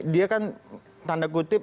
dia kan tanda kutip